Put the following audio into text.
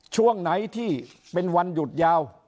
ช่วงไหนที่เป็นวันหยุดยาว